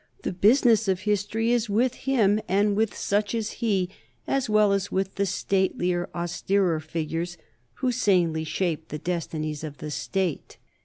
The business of history is with him and with such as he, as well as with the statelier, austerer figures who sanely shape the destinies of the State.